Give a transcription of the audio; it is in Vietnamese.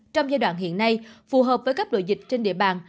trong giai đoạn hiện nay phù hợp với cấp độ dịch trên địa bàn